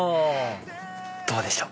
どうでしょう？